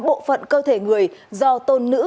bộ phận cơ thể người do tôn nữ